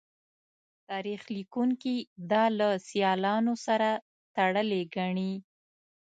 تاریخ لیکوونکي دا له سیالانو سره تړلې ګڼي